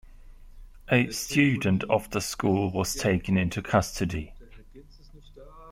A student of the school was taken into custody.